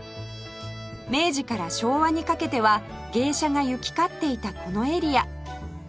明治から昭和にかけては芸者が行き交っていたこのエリア